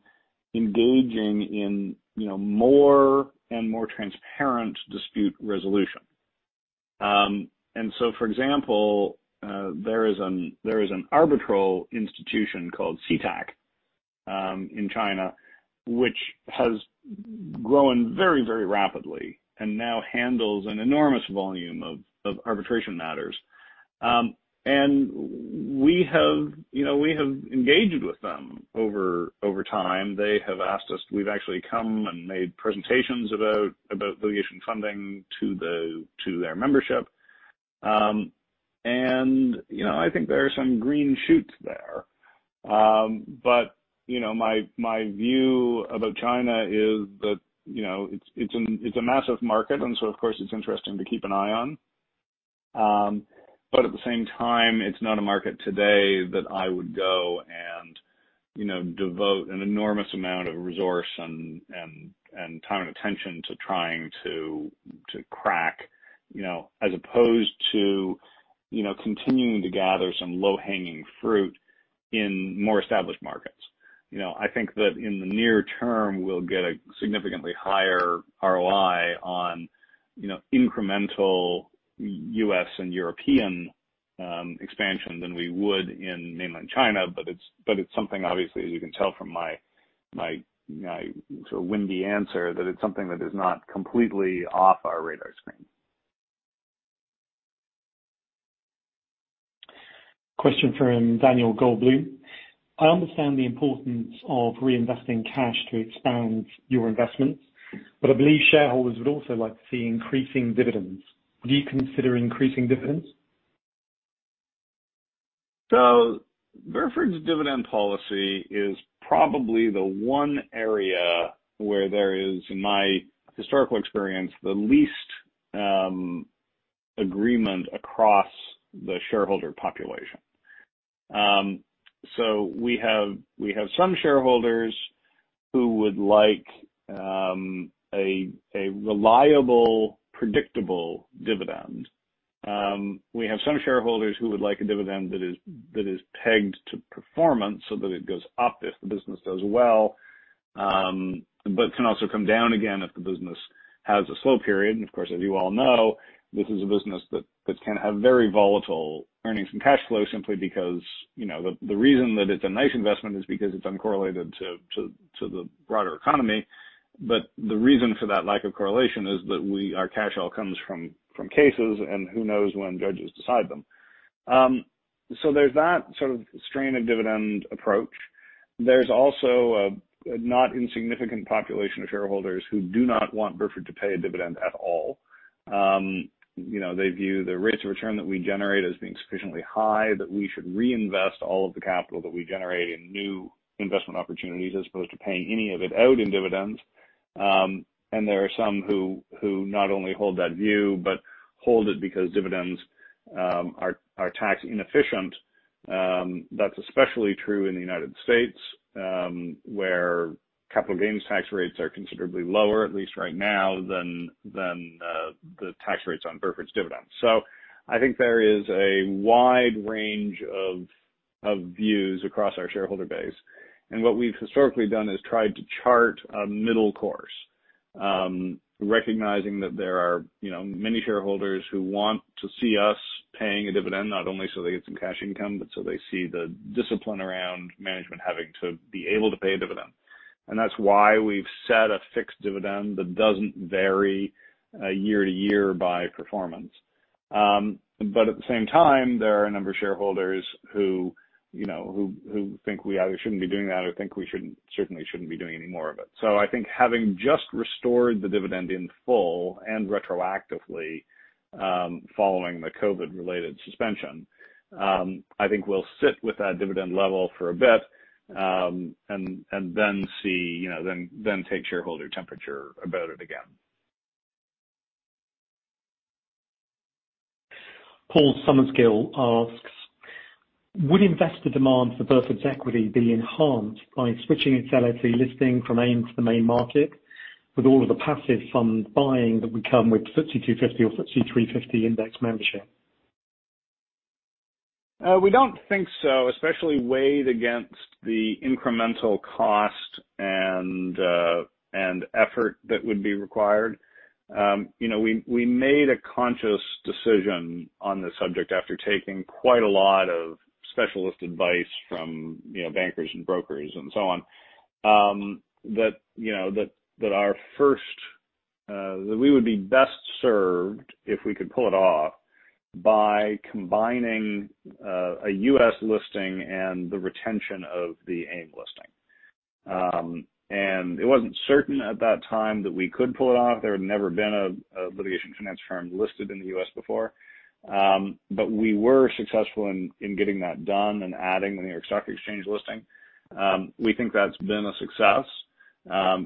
engaging in more and more transparent dispute resolution. For example, there is an arbitral institution called CIETAC in China, which has grown very rapidly and now handles an enormous volume of arbitration matters. We have engaged with them over time. We've actually come and made presentations about litigation funding to their membership. I think there are some green shoots there. My view about China is that it's a massive market, of course, it's interesting to keep an eye on. At the same time, it's not a market today that I would go and devote an enormous amount of resource and time and attention to trying to crack as opposed to continuing to gather some low-hanging fruit in more established markets. I think that in the near term, we'll get a significantly higher ROI on incremental U.S. and European expansion than we would in mainland China. It's something, obviously, as you can tell from my sort of windy answer, that it's something that is not completely off our radar screen. Question from Daniel Goldblum. I understand the importance of reinvesting cash to expand your investments, but I believe shareholders would also like to see increasing dividends. Would you consider increasing dividends? Burford's dividend policy is probably the one area where there is, in my historical experience, the least agreement across the shareholder population. We have some shareholders who would like a reliable, predictable dividend. We have some shareholders who would like a dividend that is pegged to performance so that it goes up if the business does well, but can also come down again if the business has a slow period. Of course, as you all know, this is a business that can have very volatile earnings from cash flow simply because the reason that it's a nice investment is because it's uncorrelated to the broader economy. The reason for that lack of correlation is that our cash all comes from cases and who knows when judges decide them. There's that sort of strain of dividend approach. There's also a not insignificant population of shareholders who do not want Burford to pay a dividend at all. They view the rates of return that we generate as being sufficiently high that we should reinvest all of the capital that we generate in new investment opportunities as opposed to paying any of it out in dividends. There are some who not only hold that view, but hold it because dividends are tax inefficient. That's especially true in the United States, where capital gains tax rates are considerably lower, at least right now, than the tax rates on Burford's dividends. I think there is a wide range of views across our shareholder base. What we've historically done is tried to chart a middle course, recognizing that there are many shareholders who want to see us paying a dividend, not only so they get some cash income, but so they see the discipline around management having to be able to pay a dividend. That's why we've set a fixed dividend that doesn't vary year to year by performance. At the same time, there are a number of shareholders who think we either shouldn't be doing that or think we certainly shouldn't be doing any more of it. I think having just restored the dividend in full and retroactively following the COVID-related suspension, I think we'll sit with that dividend level for a bit, and then take shareholder temperature about it again. Paul Summerskill asks, would investor demand for Burford's equity be enhanced by switching its LSE listing from AIM to the main market with all of the passive fund buying that would come with FTSE 250 or FTSE 350 index membership? We don't think so, especially weighed against the incremental cost and effort that would be required. We made a conscious decision on this subject after taking quite a lot of specialist advice from bankers and brokers and so on, that we would be best served if we could pull it off by combining a U.S. listing and the retention of the AIM listing. It wasn't certain at that time that we could pull it off. There had never been a litigation finance firm listed in the U.S. before. We were successful in getting that done and adding the New York Stock Exchange listing. We think that's been a success. The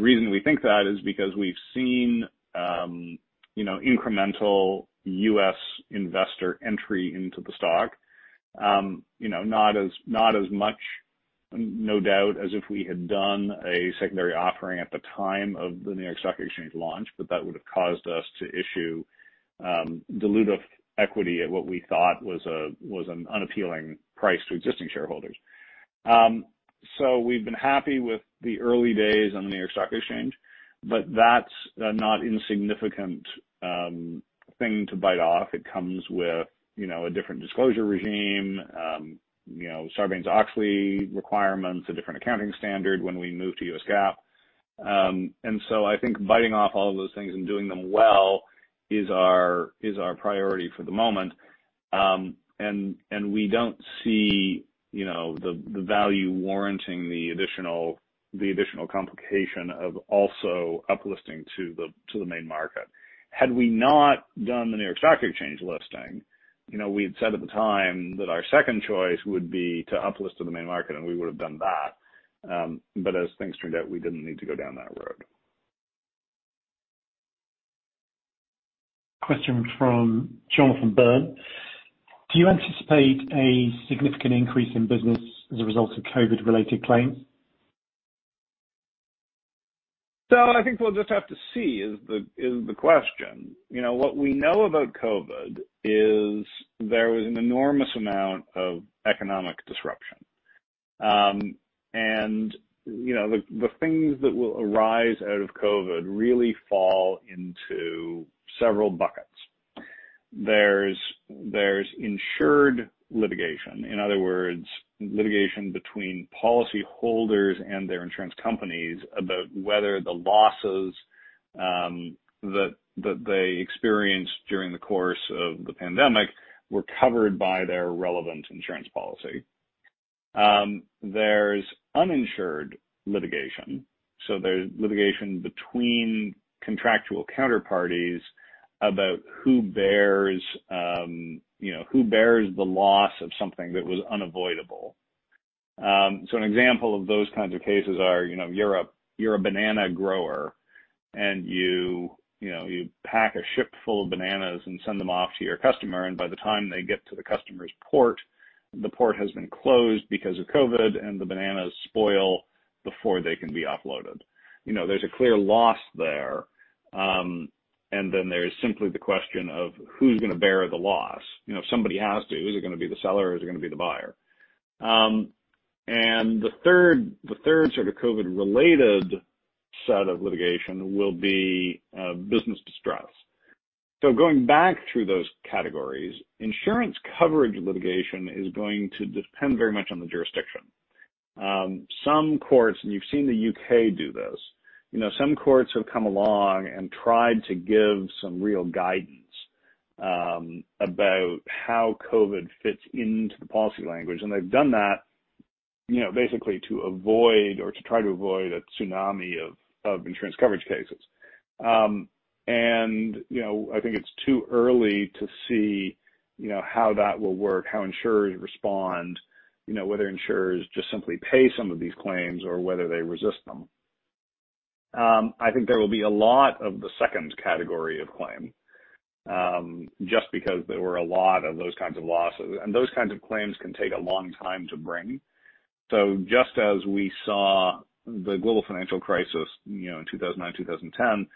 reason we think that is because we've seen incremental U.S. investor entry into the stock. Not as much, no doubt, as if we had done a secondary offering at the time of the New York Stock Exchange launch, that would have caused us to issue dilutive equity at what we thought was an unappealing price to existing shareholders. We've been happy with the early days on the New York Stock Exchange, that's a not insignificant thing to bite off. It comes with a different disclosure regime, Sarbanes-Oxley requirements, a different accounting standard when we move to US GAAP. I think biting off all those things and doing them well is our priority for the moment. We don't see the value warranting the additional complication of also up-listing to the main market. Had we not done the New York Stock Exchange listing, we had said at the time that our second choice would be to up-list to the main market, and we would have done that. As things turned out, we didn't need to go down that road. Question from Jonathan Byrne. Do you anticipate a significant increase in business as a result of COVID-related claims? I think we'll just have to see is the question. What we know about COVID is there was an enormous amount of economic disruption. The things that will arise out of COVID really fall into several buckets. There's insured litigation, in other words, litigation between policyholders and their insurance companies about whether the losses that they experienced during the course of the pandemic were covered by their relevant insurance policy. There's uninsured litigation. There's litigation between contractual counterparties about who bears the loss of something that was unavoidable. An example of those kinds of cases are you're a banana grower, and you pack a ship full of bananas and send them off to your customer, and by the time they get to the customer's port, the port has been closed because of COVID, and the bananas spoil before they can be offloaded. There's a clear loss there, and then there's simply the question of who's going to bear the loss. Somebody has to. Is it going to be the seller or is it going to be the buyer? The third sort of COVID-related set of litigation will be business distress. Going back through those categories, insurance coverage litigation is going to depend very much on the jurisdiction. Some courts, and you've seen the U.K. do this, some courts have come along and tried to give some real guidance about how COVID fits into the policy language. They've done that basically to avoid or to try to avoid a tsunami of insurance coverage cases. I think it's too early to see how that will work, how insurers respond, whether insurers just simply pay some of these claims or whether they resist them. I think there will be a lot of the second category of claim, just because there were a lot of those kinds of losses, and those kinds of claims can take a long time to bring. Just as we saw the global financial crisis in 2009, 2010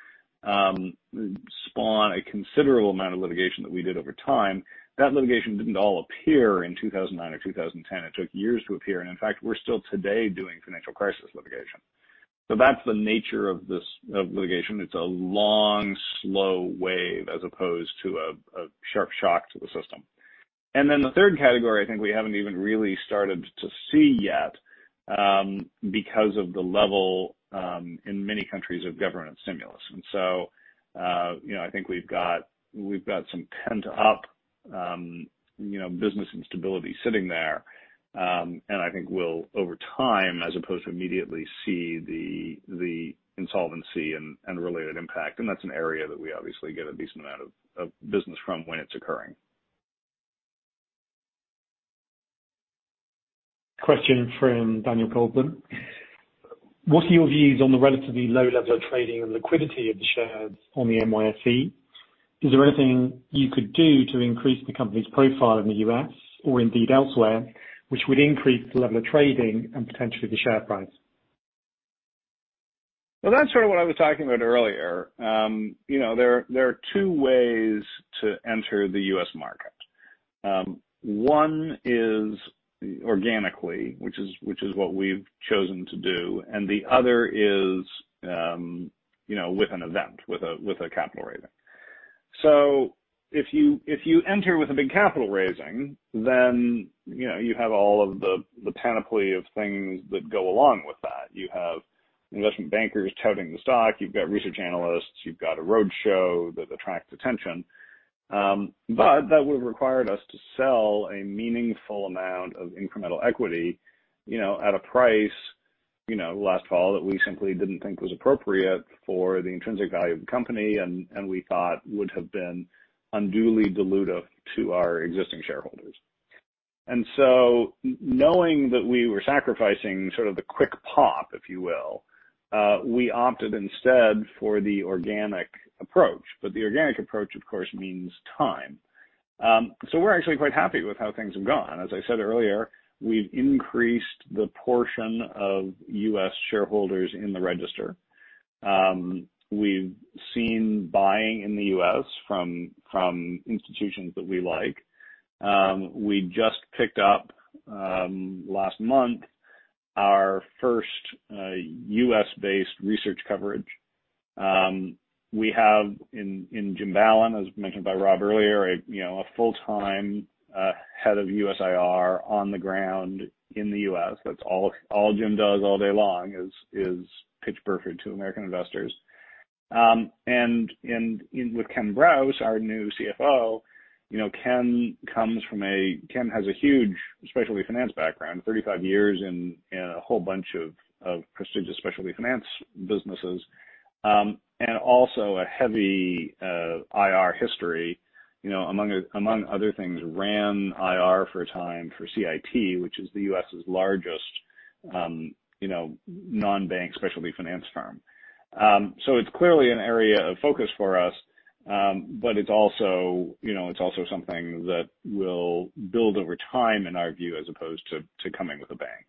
spawn a considerable amount of litigation that we did over time, that litigation didn't all appear in 2009 or 2010. It took years to appear, and in fact, we're still today doing financial crisis litigation. That's the nature of litigation. It's a long, slow wave as opposed to a sharp shock to the system. The third category, I think we haven't even really started to see yet because of the level in many countries of government stimulus. I think we've got some pent-up business instability sitting there, and I think we'll, over time, as opposed to immediately see the insolvency and related impact. That's an area that we obviously get a decent amount of business from when it's occurring. Question from Daniel Goldblum. What are your views on the relatively low level of trading and liquidity of the shares on the NYSE? Is there anything you could do to increase the company's profile in the U.S., or indeed elsewhere, which would increase the level of trading and potentially the share price? That's sort of what I was talking about earlier. There are two ways to enter the U.S. market. One is organically, which is what we've chosen to do, and the other is with an event, with a capital raising. If you enter with a big capital raising, then you have all of the panoply of things that go along with that. You have investment bankers touting the stock, you've got research analysts, you've got a roadshow that attracts attention. That would require us to sell a meaningful amount of incremental equity at a price last fall that we simply didn't think was appropriate for the intrinsic value of the company and we thought would have been unduly dilutive to our existing shareholders. Knowing that we were sacrificing sort of the quick pop, if you will, we opted instead for the organic approach. The organic approach, of course, means time. We're actually quite happy with how things have gone. As I said earlier, we've increased the portion of U.S. shareholders in the register. We've seen buying in the U.S. from institutions that we like. We just picked up last month our first U.S.-based research coverage. We have in Jim Ballan, as mentioned by Rob earlier, a full-time Head of U.S. IR on the ground in the U.S. That's all Jim does all day long is pitch Burford to American investors. With Ken Brause, our new CFO, Ken has a huge specialty finance background, 35 years in a whole bunch of prestigious specialty finance businesses. Also a heavy IR history. Among other things, ran IR for a time for CIT, which is the U.S.'s largest non-bank specialty finance firm. It's clearly an area of focus for us, but it's also something that will build over time in our view, as opposed to coming with a bang.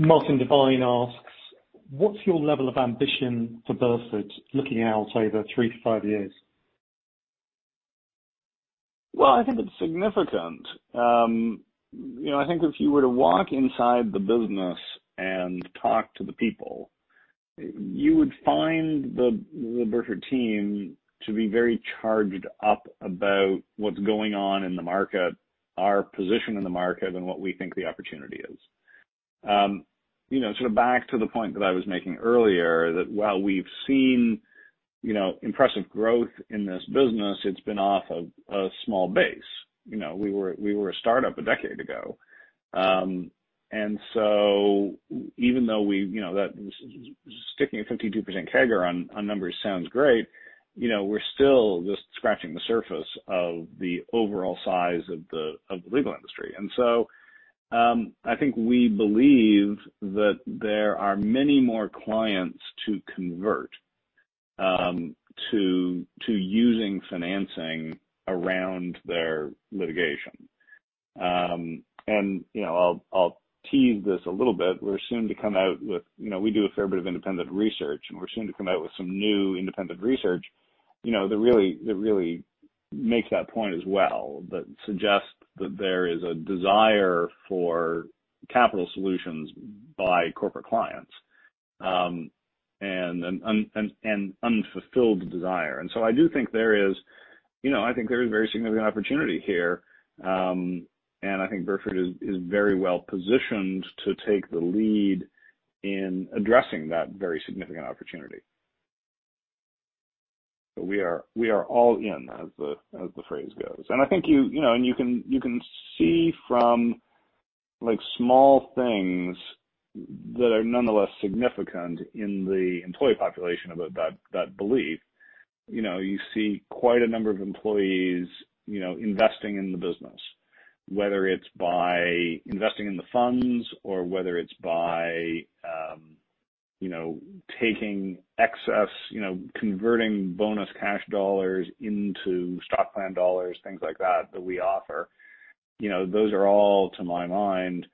Martin Devine asks, "What's your level of ambition for Burford looking out over three-five years? Well, I think it's significant. I think if you were to walk inside the business and talk to the people, you would find the Burford team to be very charged up about what's going on in the market, our position in the market, and what we think the opportunity is. Back to the point that I was making earlier, that while we've seen impressive growth in this business, it's been off of a small base. We were a startup a decade ago. So even though sticking a 52% CAGR on numbers sounds great, we're still just scratching the surface of the overall size of the legal industry. So, I think we believe that there are many more clients to convert to using financing around their litigation. I'll tease this a little bit. We do a fair bit of independent research, and we're soon to come out with some new independent research that really makes that point as well. That suggests that there is a desire for capital solutions by corporate clients, and an unfulfilled desire. I do think there is a very significant opportunity here. I think Burford is very well-positioned to take the lead in addressing that very significant opportunity. We are all in, as the phrase goes. I think you can see from small things that are nonetheless significant in the employee population about that belief. You see quite a number of employees investing in the business. Whether it's by investing in the funds or whether it's by taking excess, converting bonus cash dollars into stock plan dollars, things like that we offer. Those are all, to my mind,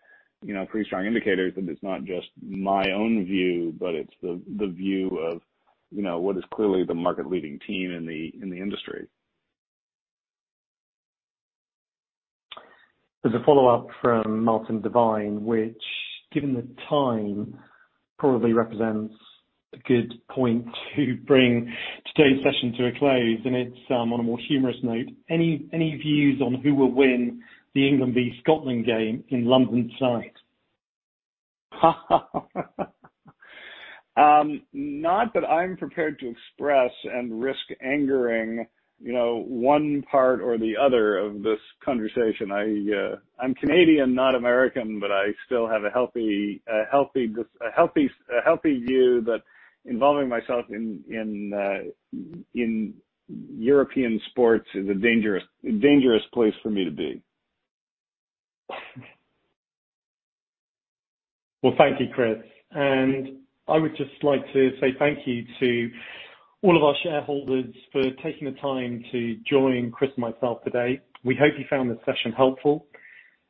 pretty strong indicators that it's not just my own view, but it's the view of what is clearly the market-leading team in the industry. There's a follow-up from Martin Devine which, given the time, probably represents a good point to bring today's session to a close, and it's on a more humorous note. Any views on who will win the England V Scotland game in London tonight? Not that I'm prepared to express and risk angering one part or the other of this conversation. I'm Canadian, not American, but I still have a healthy view that involving myself in European sports is a dangerous place for me to be. Well, thank you, Chris. I would just like to say thank you to all of our shareholders for taking the time to join Chris and myself today. We hope you found this session helpful.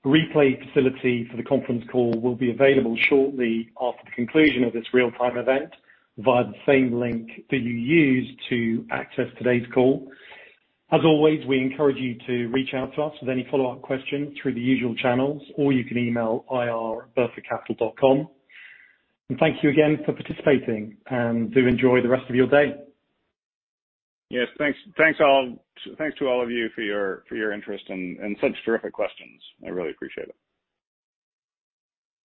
The replay facility for the conference call will be available shortly after the conclusion of this real-time event via the same link that you used to access today's call. As always, we encourage you to reach out to us with any follow-up questions through the usual channels, or you can email ir@burfordcapital.com. Thank you again for participating, and do enjoy the rest of your day. Yes, thanks to all of you for your interest and such terrific questions. I really appreciate it.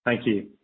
Thank you.